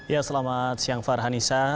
ya selamat siang farhanisa